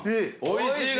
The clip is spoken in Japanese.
おいしい。